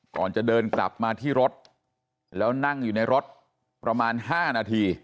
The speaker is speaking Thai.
ก่อนจะเดินกลับมาที่รถแล้วนั่งอยู่ในรถประมาณ๕นาที